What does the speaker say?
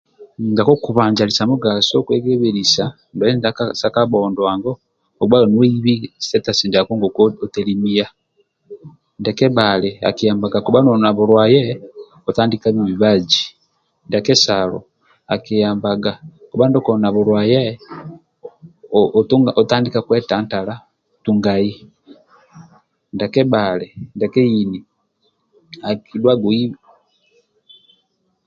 Ndia kokubanja ali sa kwekebelisa ndwali sa kabhondo andu okubhaga nuweibi sitetasi ndiako nesi otelemia ndia kebhali akibhaga kabha noli nabulwaye otadika nuwa mibazi ndia kesalo akiyambaga kabha ndio koli na bulwaye otadika kwetantala tungai ndia kebhali ndia keini akidhuaga oiba